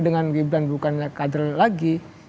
dengan gibran bukannya kader lagi